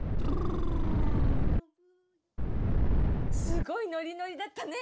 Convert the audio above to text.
すごいノリノリだったね！